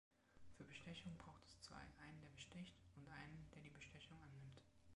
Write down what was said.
Für Bestechung braucht es zwei: einen, der besticht, und einen, der die Bestechung annimmt.